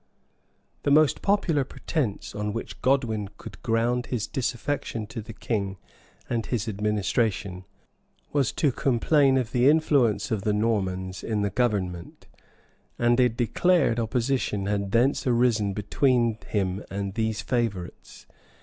] The most popular pretence on which Godwin could ground his disaffection to the king and his administration, was to complain of the influence of the Normans in the government; and a declared opposition had thence arisen between him and these favorites.